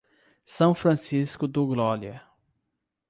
São Francisco do Glória